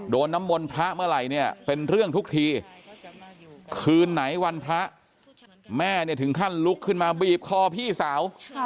น้ำมนต์พระเมื่อไหร่เนี่ยเป็นเรื่องทุกทีคืนไหนวันพระแม่เนี่ยถึงขั้นลุกขึ้นมาบีบคอพี่สาว